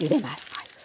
はい。